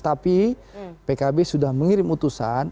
tapi pkb sudah mengirim utusan